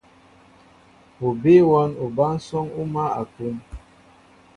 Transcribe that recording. O bíy wɔ́n obánsɔ́ŋ ó mál a kún.